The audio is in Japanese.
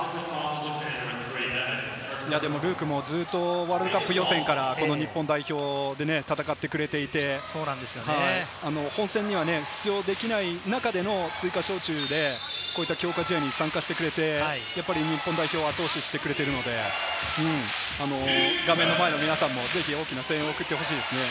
ルークもずっとワールドカップ予選から日本代表で戦ってくれていて、本戦には出場できない中での追加招集で強化試合に参加してくれて、日本代表を後押ししてくれているので、画面の前の皆さんもぜひ大きな声援を送ってほしいですね。